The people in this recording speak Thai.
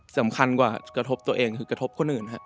สำคัญกว่ากระทบตัวเองคือกระทบคนอื่นครับ